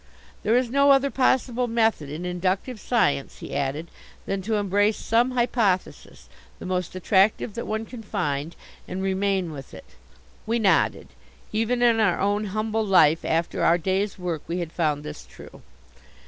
"There is no other possible method in inductive science," he added, "than to embrace some hypothesis, the most attractive that one can find, and remain with it " We nodded. Even in our own humble life after our day's work we had found this true.